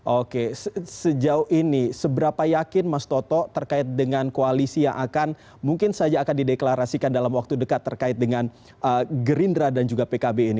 oke sejauh ini seberapa yakin mas toto terkait dengan koalisi yang akan mungkin saja akan dideklarasikan dalam waktu dekat terkait dengan gerindra dan juga pkb ini